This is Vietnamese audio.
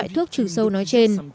thuốc trừ sâu nói trên